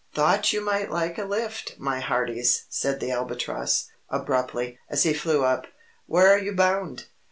"Thought you might like a lift, my hearties!" said the Albatross, abruptly, as he flew up. "Where are you bound?"